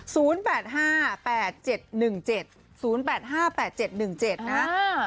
แปดห้าแปดเจ็ดหนึ่งเจ็ดศูนย์แปดห้าแปดเจ็ดหนึ่งเจ็ดนะฮะอ่า